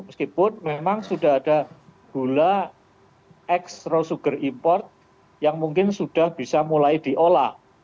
meskipun memang sudah ada gula extro sugar import yang mungkin sudah bisa mulai diolah